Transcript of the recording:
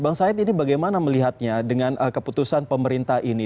bang said ini bagaimana melihatnya dengan keputusan pemerintah ini